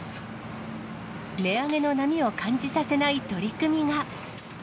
値上げの波を感じさせない取り組みが。